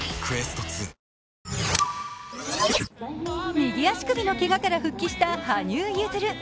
右足首のけがから復帰した羽生結弦。